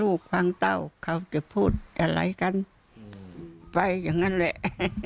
ฟังเต้าเขาจะพูดอะไรกันไปอย่างนั้นแหละ